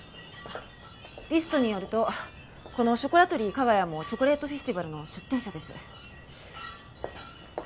リストによるとこのショコラトリー加賀谷もチョコレートフェスティバルの出店者です。